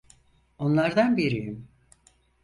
Onlardan biriyim.